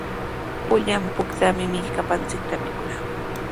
Pullan puntrawmi millkapanchikta mikushun.